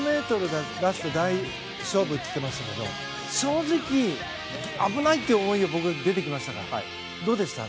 １５ｍがラスト勝負と言ってましたけど正直、危ないという思いが僕、出てきましたけどどうでした？